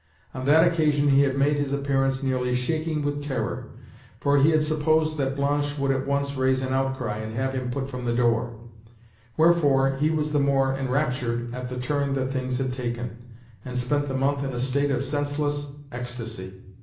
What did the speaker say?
On that occasion he had made his appearance nearly shaking with terror, for he had supposed that Blanche would at once raise an outcry, and have him put from the door; wherefore, he was the more enraptured at the turn that things had taken, and spent the month in a state of senseless ecstasy.